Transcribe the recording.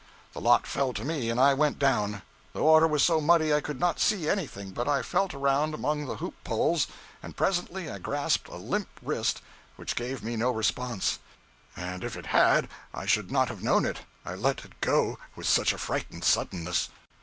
The lot fell to me, and I went down. The water was so muddy I could not see anything, but I felt around among the hoop poles, and presently grasped a limp wrist which gave me no response and if it had I should not have known it, I let it go with such a frightened suddenness.